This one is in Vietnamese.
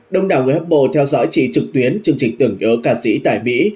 đông đảo người hấp mộ theo dõi chị trực tuyến chương trình tưởng nhớ ca sĩ tại mỹ